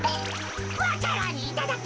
わか蘭いただき。